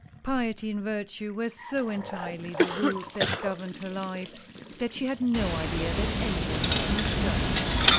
Piety and Virtue were so entirely the rules that governed her life, that she had no idea that any one could misjudge her.